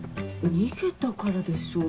逃げたからでしょう。